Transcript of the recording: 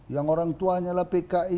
yang orang tuanya lah pki